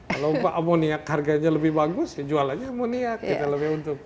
kalau mbak amoniak harganya lebih bagus ya jualannya amoniak kita lebih untung